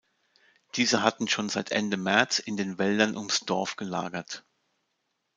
Diese hatten schon seit Ende März in den Wäldern ums Dorf gelagert.